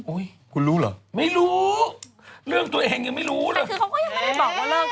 โอ้ยคุณรู้เหรอไม่รู้เรื่องตัวเองยังไม่รู้เลย